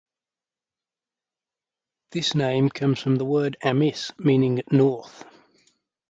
This name comes from the word amis, meaning north.